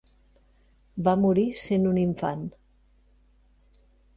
Va morir sent un infant.